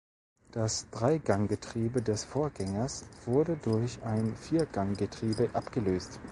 Das Dreiganggetriebe des Vorgängers wurde durch ein Vierganggetriebe abgelöst.